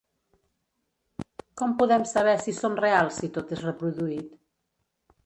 Com podem saber si som reals si tot és reproduït?